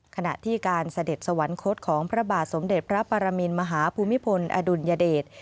ขณะที่การเสด็จสวรรคตของพระบาทสมเด็จพระปรมินมหาภูมิพลอดุลยเดช